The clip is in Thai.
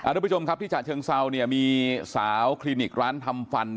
ทุกผู้ชมครับที่ฉะเชิงเซามีสาวคลินิกร้านทำฟัน